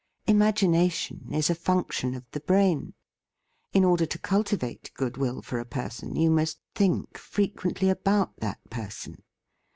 Imagination is a function of the brain. In order to cultivate goodwill for a person, you must think frequent ly about that person.